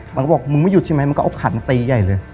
มันก็บอกมึงไม่หยุดใช่ไหมมันก็เอาขันตีใหญ่เลย